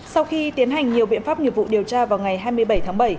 sau khi tiến hành nhiều biện pháp nghiệp vụ điều tra vào ngày hai mươi bảy tháng bảy